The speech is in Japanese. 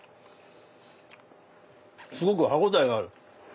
すごく歯応えがある。